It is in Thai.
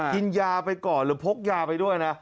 กินยาไปก่อนหรือพกยาไปด้วยนะ